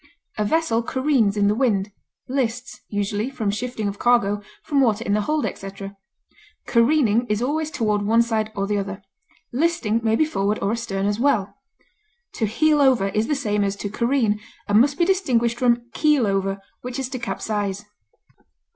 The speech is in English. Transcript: A vessel careens in the wind; lists, usually, from shifting of cargo, from water in the hold, etc. Careening is always toward one side or the other; listing may be forward or astern as well. To heel over is the same as to careen, and must be distinguished from "keel over," which is to capsize.